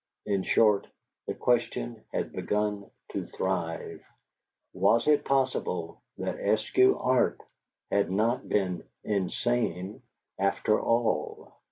In short, the question had begun to thrive: Was it possible that Eskew Arp had not been insane, after all?